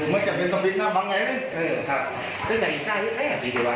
ไม่จำเป็นต้นปิดน้ำบังไหลนี่เออค่ะซึ่งในช่ายเยอะแม่ดีจริงหรือเปล่า